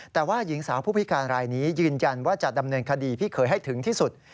แต่ว่าหญิงสาวผู้พิการรายนี้ยืนยันว่าจะดำเนินคดีพี่เคยให้ถึงที่สุด